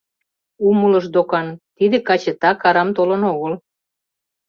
Умылыш докан: тиде каче так арам толын огыл.